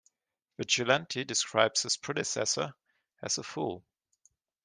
Vigilante describes his predecessor as a fool.